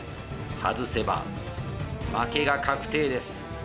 外せば負けが確定です。